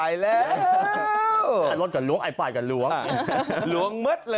แยกรถกันร้วงไอ้ปากกันร้วง